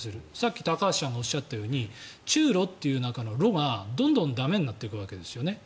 先ほど高橋さんがおっしゃったように中ロという中のロがどんどん駄目になっていくわけですね。